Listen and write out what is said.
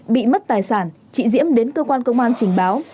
bị mất tài sản chị diễm đến cơ quan công an trình báo